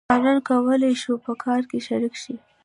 ځوانانو کولای شول په کار کې شریک شي.